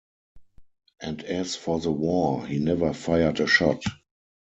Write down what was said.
And as for the war, he never fired a shot.